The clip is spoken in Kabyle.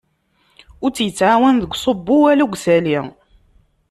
Ur tt-yettɛawan deg uṣubbu wala deg usali.